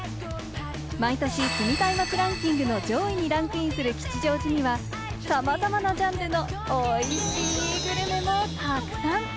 毎年、住みたい街ランキングの上位にランクインする吉祥寺には、さまざまなジャンルのおいしいグルメもたくさん！